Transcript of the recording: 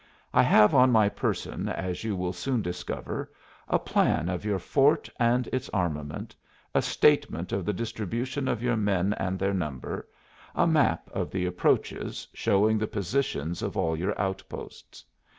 I have on my person, as you will soon discover, a plan of your fort and its armament, a statement of the distribution of your men and their number, a map of the approaches, showing the positions of all your outposts.